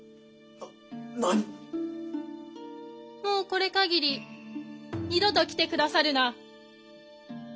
もうこれ限り二度と来て下さるな。